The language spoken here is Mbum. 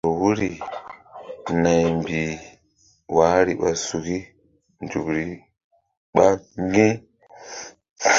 Nah kɔr wuri naymbih wahri ɓa suki nzukri ɓa ŋgi̧.